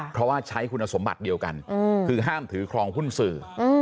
เพราะว่าใช้คุณสมบัติเดียวกันคือห้ามถือครองหุ้นสื่อ